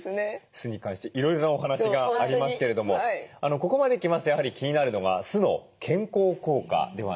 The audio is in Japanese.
酢に関していろいろなお話がありますけれどもここまで来ますとやはり気になるのが酢の健康効果ではないでしょうか。